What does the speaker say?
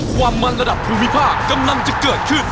ความมันระดับภูมิภาคกำลังจะเกิดขึ้น